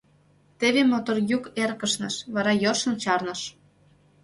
Теве мотор йӱк эркышныш, вара йӧршын чарныш.